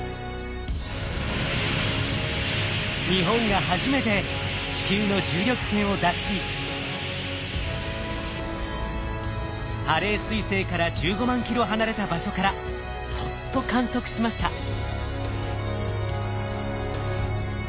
日本が初めて地球の重力圏を脱しハレー彗星から１５万キロ離れた場所からそっと観測しました。